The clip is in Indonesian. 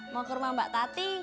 mau ke rumah mbak tati